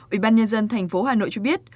ủy ban nhân dân thành phố hà nội cho biết